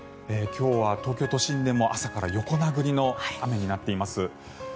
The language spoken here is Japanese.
今日は東京都心でも朝から横殴りの雨になっています。